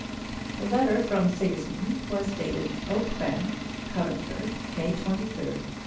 The letter from Sigismund was dated Oakbank, Conventford, May 23rd, 1853.